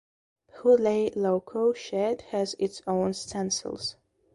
Bhilai loco shed has its own stencils.